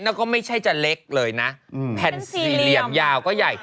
แล้วก็ไม่ใช่จะเล็กเลยนะแผ่นสี่เหลี่ยมยาวก็ใหญ่